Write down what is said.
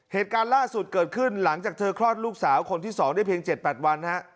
เหตุการณ์ล่าสุดเกิดขึ้นหลังจากเธอคลอดลูกสาวคนที่๒ได้เพียง๗๘วัน